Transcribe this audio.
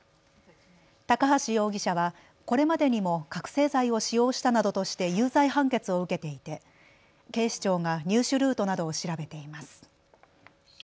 高橋容疑者はこれまでにも覚醒剤を使用したなどとして有罪判決を受けていて警視庁が入手ルートなどを調べています。